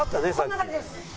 こんな感じです。